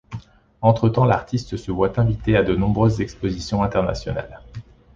Entre-temps l'artiste se voit invité à de nombreuses expositions internationales.